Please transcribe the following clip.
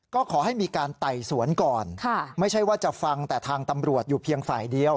ก็ขอให้มีการไต่สวนก่อนไม่ใช่ว่าจะฟังแต่ทางตำรวจอยู่เพียงฝ่ายเดียว